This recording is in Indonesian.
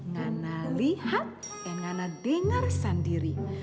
gak tahu lihat dan gak tahu dengar sendiri